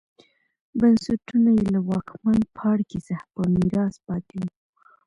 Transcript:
بنسټونه یې له واکمن پاړکي څخه په میراث پاتې وو